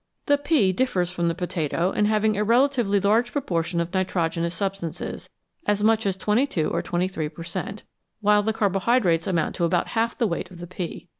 The pea differs from the potato in having a relatively large proportion of nitrogenous substances as much as 22 or 23 per cent. while the carbohydrates amount to about half the weight of the pea.